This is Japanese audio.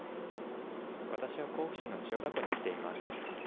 私は甲府市の千代田湖に来ています。